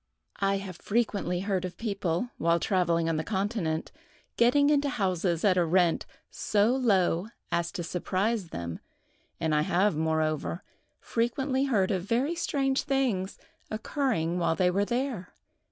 I have frequently heard of people, while travelling on the continent, getting into houses at a rent so low as to surprise them, and I have, moreover, frequently heard of very strange things occurring while they were there.